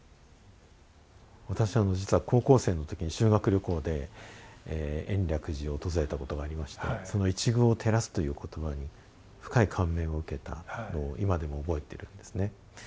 私実は高校生の時に修学旅行で延暦寺を訪れたことがありましてその「一隅を照らす」という言葉に深い感銘を受けたのを今でも覚えているんですね。